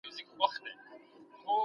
ژبوهنه د ژبې د بقا لپاره اړینه ده.